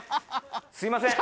すいません